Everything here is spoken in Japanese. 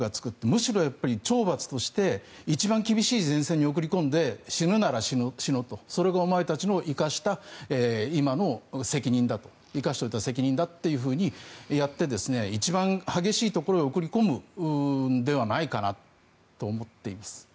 むしろ、懲罰として一番厳しい前線に送り込んで死ぬなら死ねとそれがお前たちを生かしておいた今の責任だというふうにやって一番激しいところへ送り込むのではないかなと思っています。